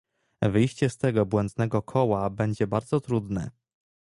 Wyjście z tego błędnego koła będzie bardzo trudne